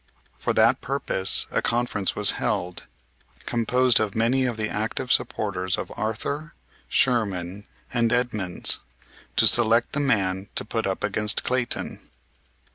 For that purpose a conference was held; composed of many of the active supporters of Arthur, Sherman, and Edmunds, to select the man to put up against Clayton.